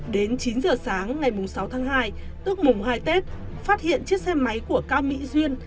đến chín giờ sáng ngày sáu tháng hai tức mùng hai tết phát hiện chiếc xe máy của cao mỹ duyên